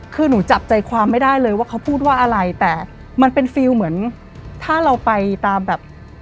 คือหนูจับใจความไม่ได้เลยว่าเขาพูดว่าอะไรแต่มันเป็นฟิลเหมือนถ้าเราไปตามแบบ